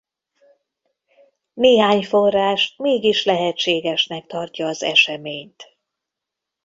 Néhány forrás mégis lehetségesnek tartja az eseményt.